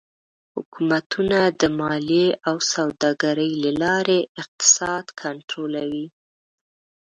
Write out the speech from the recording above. حکومتونه د مالیې او سوداګرۍ له لارې اقتصاد کنټرولوي.